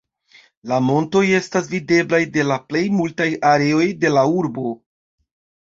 La montoj estas videblaj de la plej multaj areoj de la urbo.